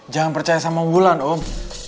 jangan percaya sama wulan om